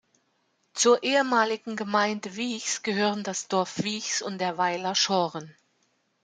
Zur ehemaligen Gemeinde Wiechs gehören das Dorf Wiechs und der Weiler Schoren.